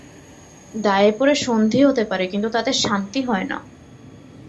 দায়ে পড়ে সন্ধি হতে পারে, কিন্তু তাতে শান্তি হয় না।